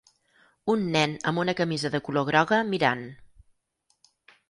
Un nen amb una camisa de color groga mirant